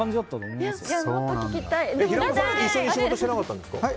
平子さんは一緒に仕事してなかったんですか？